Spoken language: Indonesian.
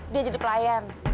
dia jadi pelayan